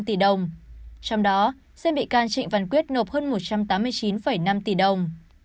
trong đó sơn bị can trịnh văn quyết nộp hơn một trăm tám mươi chín năm tỷ đồng